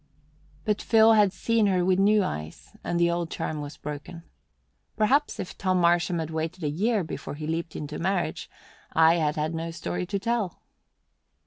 But Phil had seen her with new eyes and the old charm was broken. (Perhaps if Tom Marsham had waited a year before he leaped into marriage, I had had no story to tell!)